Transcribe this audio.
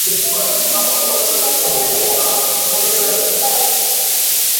vikosi vya Somalia katika juhudi zao za kuwadhibiti al Shabaab